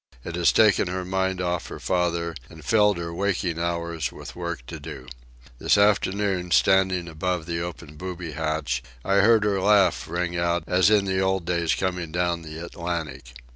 It has taken her mind off her father and filled her waking hours with work to do. This afternoon, standing above the open booby hatch, I heard her laugh ring out as in the old days coming down the Atlantic.